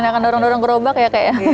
enak kan dorong dorong kerobak ya kayaknya